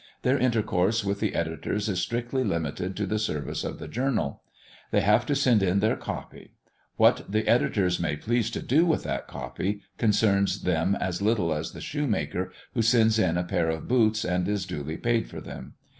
Their intercourse with the editors is strictly limited to the service of the journal. They have to send in their "copy." What the editors may please to do with that "copy" concerns them as little as the shoemaker who sends in a pair of boots and is duly paid for them.